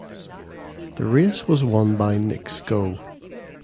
The race was won by Knicks Go.